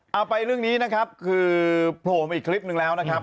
เอาไปเรื่องนี้นะครับคือโผล่มาอีกคลิปนึงแล้วนะครับ